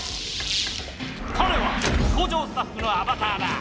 かれは工場スタッフのアバターだ。